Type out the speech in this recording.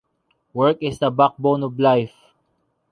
Work is the backbone of life.